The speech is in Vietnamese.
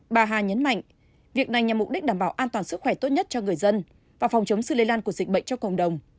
bà hà nhấn mạnh việc này nhằm mục đích đảm bảo an toàn sức khỏe tốt nhất cho người dân và phòng chống sự lây lan của dịch bệnh cho cộng đồng